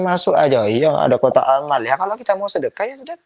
masuk aja ya ada kota ammal iya kalau kita precious disitu kita gunakan banyak untuk apa apa